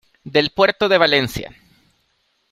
del puerto de Valencia.